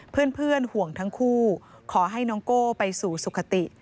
เพื่อนห่วงทั้งคู่ขอให้น้องโก้ไปสู่สุขติ